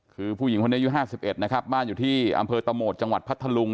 คือผู้หญิงคนนี้อายุ๕๑นะครับบ้านอยู่ที่อำเภอตะโหมดจังหวัดพัทธลุง